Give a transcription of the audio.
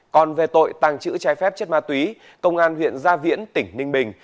còn về tội tàng trữ trái phép chất ma túy công an huyện gia viễn tỉnh ninh bình